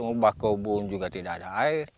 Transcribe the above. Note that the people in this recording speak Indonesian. mau bahas kobun juga tidak ada air